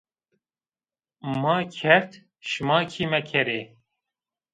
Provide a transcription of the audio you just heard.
Ma kerd, şima kî mekerê